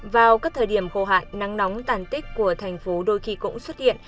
vào các thời điểm khô hạn nắng nóng tàn tích của thành phố đôi khi cũng xuất hiện